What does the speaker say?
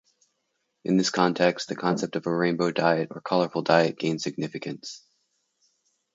In this context, the concept of a rainbow diet or colorful diet gains significance.